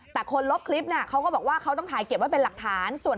แต่คนลบคลิปเขาก็บอกว่าเขาต้องถ่ายเก็บไว้เป็นหลักฐาน